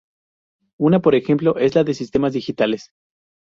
Una por ejemplo es la de sistemas digitales.